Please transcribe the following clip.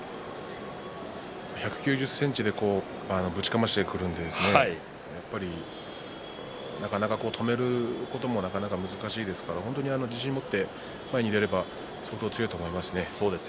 １９０ｃｍでぶちかましてくるので、やっぱりなかなか止めることも難しいですから、本当に自信を持って前に出れば相当強いと思いますね。